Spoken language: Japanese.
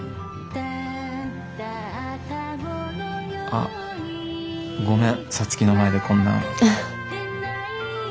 あっごめん皐月の前でこんな。